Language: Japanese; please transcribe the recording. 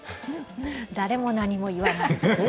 誰も何も言わない。